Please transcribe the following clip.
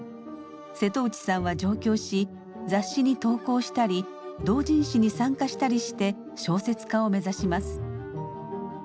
瀬戸内さんは上京し雑誌に投稿したり同人誌に参加したりして小説家を目指します。